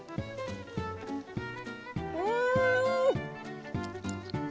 うん！